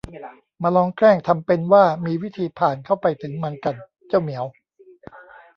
มาลองแกล้งทำเป็นว่ามีวิธีผ่านเข้าไปถึงมันกัน เจ้าเหมียว